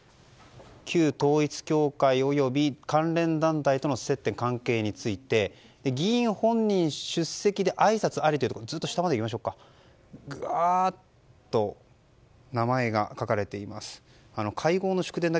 「旧統一教会及び関連団体との接点・関係について」。議員本人出席であいさつありというところずっと下までいきまして名前が書かれています。